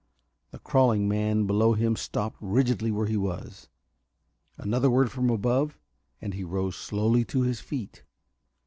The crawling man below him stopped rigidly where he was. Another word from above, and he rose slowly to his feet.